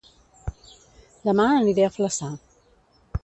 Dema aniré a Flaçà